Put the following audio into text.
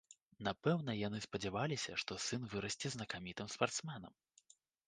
Напэўна, яны спадзяваліся, што сын вырасце знакамітым спартсменам.